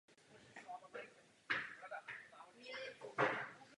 Po federalizaci Československa usedl do Sněmovny národů Federálního shromáždění.